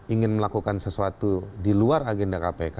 ingin melakukan sesuatu di luar agenda kpk